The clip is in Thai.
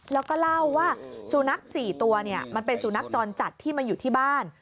แล้วก็เล่าว่าสุนัข๔ตัวมันเป็นสุนัขจรจัดที่มาอยู่ที่บ้าน